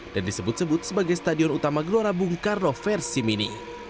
dan disebut sebut sebagai stadion utama gelora bung karno versi mini